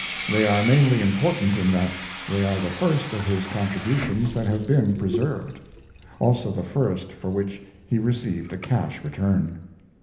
They are mainly important in that they are the first of his contributions that have been preserved; also the first for which he received a cash return.